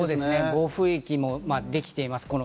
暴風域もできています。